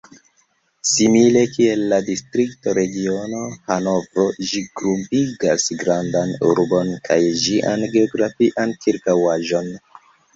Simile kiel la Distrikto Regiono Hanovro, ĝi grupigas grandan urbon kaj ĝian geografian ĉirkaŭaĵon.